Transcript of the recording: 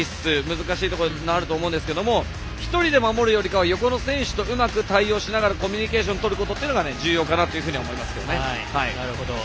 難しいところですが１人で守るよりは横の選手とうまく対応しながらコミュニケーションをとることが大事かなと思います。